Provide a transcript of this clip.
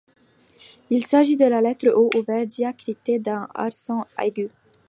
Il s’agit de la lettre O ouvert diacritée d'un accent aigu.